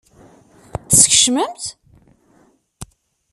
Teskecmem-t?